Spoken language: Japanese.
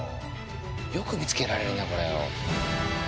よく見つけられるなこれを。